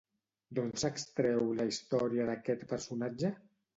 D'on s'extreu la història d'aquest personatge?